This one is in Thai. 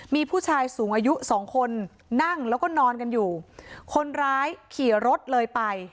มีผู้ชายสูงอายุสองคนนั่งแล้วก็นอนกันอยู่คนร้ายขี่รถเลยไป